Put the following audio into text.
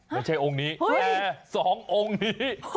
ไม่ใช่องค์นี้แต่๒องค์นี้